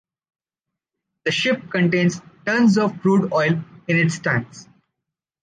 The ship contains tons of crude oil in its tanks.